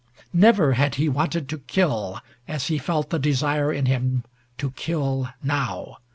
Never had he wanted to kill as he felt the desire in him to kill now.